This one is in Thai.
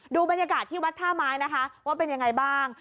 ดูบรรยากาศที่วัดท่าไม้นะคะว่าเป็นยังไงบ้าง